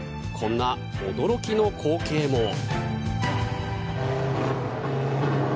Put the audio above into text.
こんな驚きの光景も。